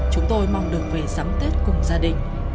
chúng tôi mong được về sắm tết cùng gia đình